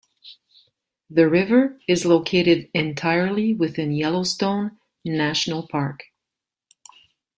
The river is located entirely within Yellowstone National Park.